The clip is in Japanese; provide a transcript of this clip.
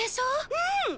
うん！